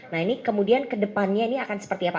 nah ini kemudian ke depannya ini akan seperti apa